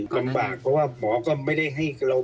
ลำบากเพราะว่าหมอก็ไม่ได้ให้เรา